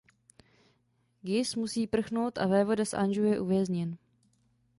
Guise musí prchnout a vévoda z Anjou je uvězněn.